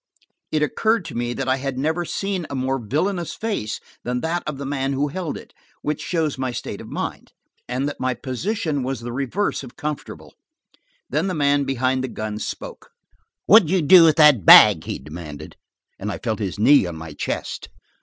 It occurred to me that I had never seen a more villainous face than that of the man who held it–which shows my state of mind–and that my position was the reverse of comfortable. Then the man behind the gun spoke. "What did you do with that bag?" he demanded, and I felt his knee on my chest.